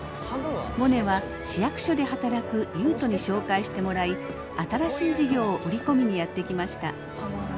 モネは市役所で働く悠人に紹介してもらい新しい事業を売り込みにやって来ました。